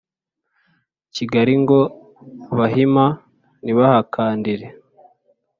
kigali ngo "abahima ntibahakandire!"